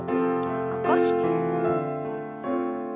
起こして。